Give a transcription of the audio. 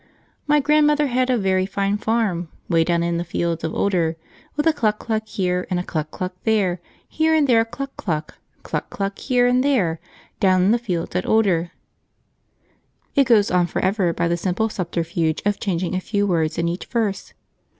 My grandmother had a very fine farm 'Way down in the fields of Older. With a cluck cluck here, And a cluck cluck there, Here and there a cluck cluck, Cluck cluck here and there, Down in the fields at Older. It goes on for ever by the simple subterfuge of changing a few words in each verse.